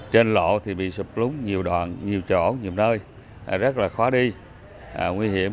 trên lộ thì bị sụp lúng nhiều đoạn nhiều chỗ nhiều nơi rất là khó đi nguy hiểm